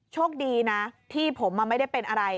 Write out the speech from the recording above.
โชคดีนะที่ผมไม่ได้เป็นอะไร